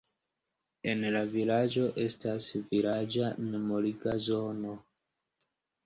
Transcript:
En la vilaĝo estas vilaĝa memoriga zono.